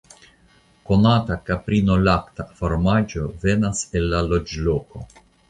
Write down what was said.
Konata kaprinolakta fromaĝo venas el la loĝloko.